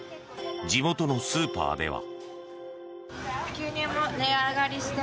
地元のスーパーでは。